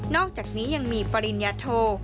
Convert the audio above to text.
อกจากนี้ยังมีปริญญาโท